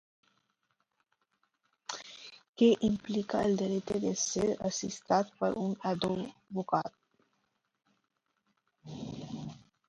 Què implica el dret de ser assistit per un advocat.